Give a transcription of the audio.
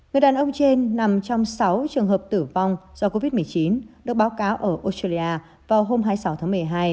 người đàn ông trên nằm trong sáu trường hợp tử vong do covid một mươi chín được báo cáo ở australia vào hôm hai mươi sáu tháng một mươi hai